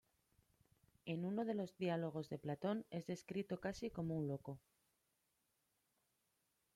En uno de los diálogos de Platón es descrito casi como un loco.